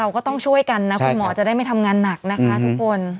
ก็ต้องช่วยกันนะคุณหมอจะได้ไม่ทำงานหนักนะคะทุกคน